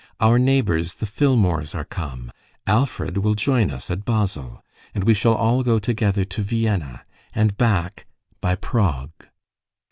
Our neighbours, the Filmores, are come; Alfred will join us at Basle, and we shall all go together to Vienna, and back by Prague"